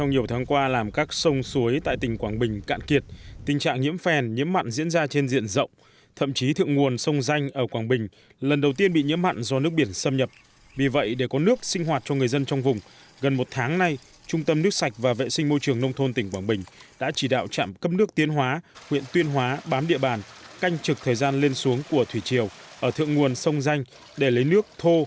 để có thể bảo đảm cung cấp đầy đủ nước sinh hoạt cho người dân trong những ngày này trung tâm nước sạch và vệ sinh môi trường nông thôn tỉnh quảng bình đã nỗ lực thực hiện nhiều biện pháp nhằm cung cấp nước sinh hoạt cho người dân trong những ngày này